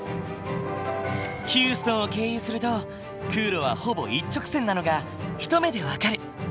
ヒューストンを経由すると空路はほぼ一直線なのが一目で分かる。